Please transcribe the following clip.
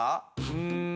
うん。